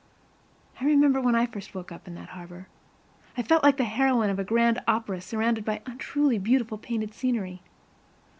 I remember when I first woke in that harbor. I felt like a heroine of grand opera surrounded by untruly beautiful painted scenery.